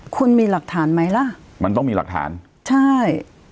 คุณมีหลักฐานไหมล่ะมันต้องมีหลักฐานใช่